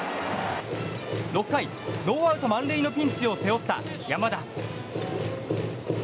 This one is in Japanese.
６回、ノーアウト満塁のピンチを背負った山田。